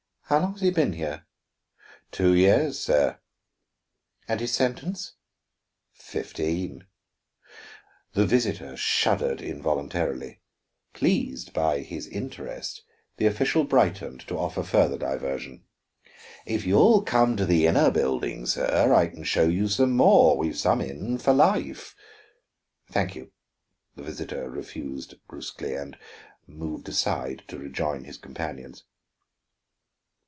"How long has he been here?" "Two years, sir." "And his sentence?" "Fifteen." The visitor shuddered involuntarily. Pleased by his interest, the official brightened to offer further diversion: "If you'll come to the inner building, sir, I can show you some more. We've some in for life " "Thank you," the visitor refused bruskly, and moved aside to rejoin his companions.